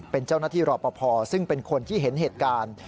เป็นเจ้าหน้าที่รอปภซึ่งเป็นคนที่เห็นเหตุการณ์